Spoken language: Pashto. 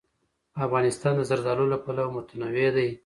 افغانستان د زردالو له پلوه متنوع دی.